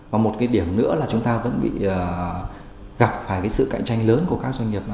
và một điểm nữa là chúng ta vẫn bị gặp phải sự cạnh tranh lớn của các doanh nghiệp